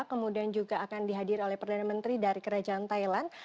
kemudian juga akan dihadiri oleh perdana menteri dari kerajaan thailand